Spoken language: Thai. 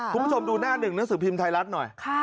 คุณผู้ชมดูหน้าหนึ่งหนังสือพิมพ์ไทยรัฐหน่อย